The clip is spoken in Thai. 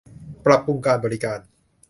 ปรับปรุงการบริการ